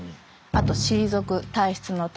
あと退く退室の「退」。